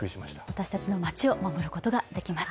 私たちの街を守ることができます。